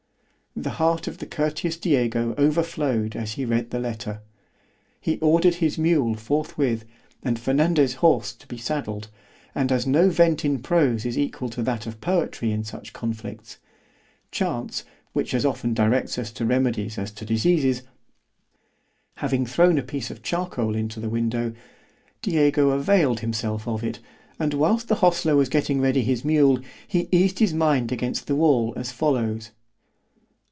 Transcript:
The heart of the courteous Diego over flowed as he read the letter——he ordered his mule forthwith and Fernandez's horse to be saddled; and as no vent in prose is equal to that of poetry in such conflicts——chance, which as often directs us to remedies as to diseases, having thrown a piece of charcoal into the window——Diego availed himself of it, and whilst the hostler was getting ready his mule, he eased his mind against the wall as follows.